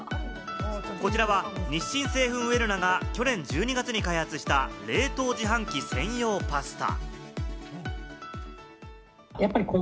こちらは日清製粉ウェルナが去年１２月に開発した冷凍自販機専用パスタ。